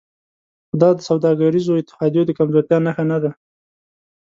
خو دا د سوداګریزو اتحادیو د کمزورتیا نښه نه ده